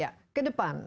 ya ke depan